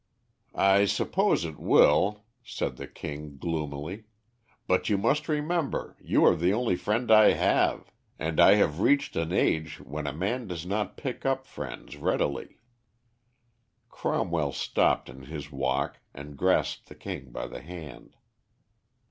"I suppose it will," said the King, gloomily; "but you must remember you are the only friend I have, and I have reached an age when a man does not pick up friends readily." Cromwell stopped in his walk and grasped the King by the hand.